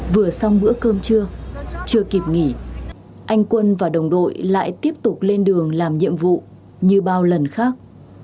vừa xong bữa cơm chưa kịp nghỉ anh quân và đồng đội lại tiếp tục lên đường làm nhiệm vụ như bao lần khác